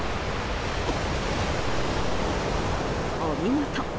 お見事！